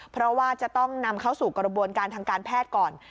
เพราะว่าจะต้องนำเข้าสู่กระบวนการทางการแพทย์ก่อน